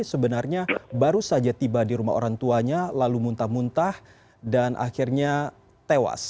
sebenarnya baru saja tiba di rumah orang tuanya lalu muntah muntah dan akhirnya tewas